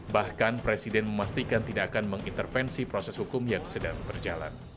bahkan presiden memastikan tidak akan mengintervensi proses hukum yang sedang berjalan